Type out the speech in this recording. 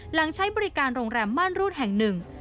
ใช้บริการโรงแรมม่านรูดแห่งหนึ่ง